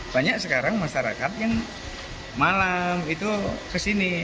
banyak sekarang masyarakat yang malam itu kesini